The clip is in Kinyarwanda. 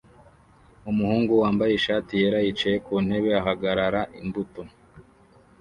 Umuhungu wambaye ishati yera yicaye ku ntebe ahagarara imbuto